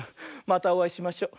またおあいしましょう。